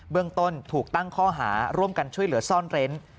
เรื่องต้นถูกตั้งข้อหาร่วมกันช่วยเหลือซ่อนเร้น